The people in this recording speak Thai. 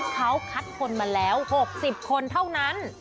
เขาคัดคนมาแล้ว๖๐คนเท่านั้น